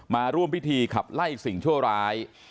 มาร่วมพิธีขับไล่สิ่งชั่วร้าย